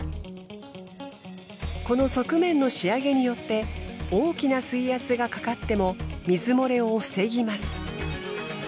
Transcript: この側面の仕上げによって大きな水圧がかかっても水漏れを防ぎます。